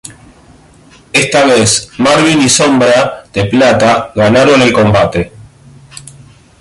Esta vez, Marvin y Sombra de Plata ganaron el combate.